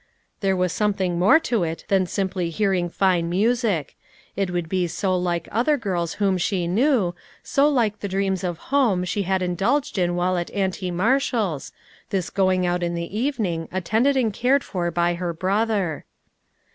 There was something more to it than simply hearing fine music ; it would be so like other girls whom she knew, so like the dreams of home she had indulged in while at Auntie Marshall's this going out in the even ing attended and cared for by her brother.